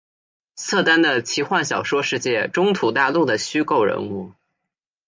瑟丹的奇幻小说世界中土大陆的虚构人物。